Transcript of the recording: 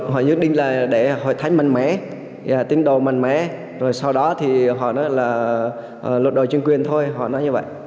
họ nhất định là để hội thánh mạnh mẽ tín đồ mạnh mẽ rồi sau đó thì họ nói là lột đổi chương quyền thôi họ nói như vậy